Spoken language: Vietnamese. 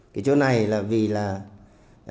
cái chỗ này là vì là